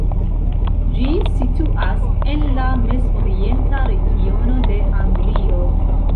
Ĝi situas en la Mez-Orienta Regiono de Anglio.